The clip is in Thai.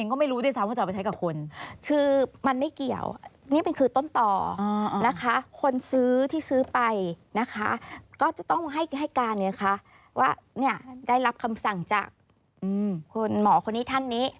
ก็จะต้องวางให้การว่าได้รับคำสั่งจากหมอคนนี้แท่นนี้